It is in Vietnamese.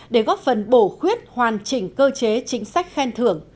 để góp phần bổ khuyết hoàn chỉnh cơ chế chính sách khen thưởng